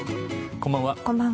こんばんは。